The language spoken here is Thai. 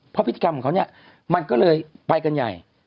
เพราะพฤติกรรมของเขาเนี่ยมันก็เลยไปกันใหญ่